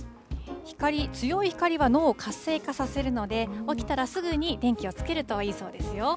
光、強い光は脳を活性化させるので、起きたらすぐに電気をつけるといいそうですよ。